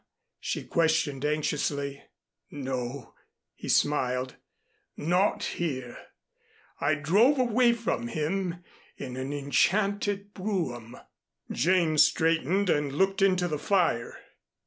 she questioned anxiously. "No," he smiled. "Not here. I drove away from him in an enchanted brougham." Jane straightened and looked into the fire.